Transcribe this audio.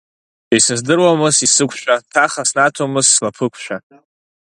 Исыздыруамызт исықәшәа, ҭаха снаҭомызт слаԥықәшәа…